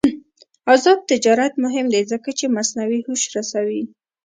آزاد تجارت مهم دی ځکه چې مصنوعي هوش رسوي.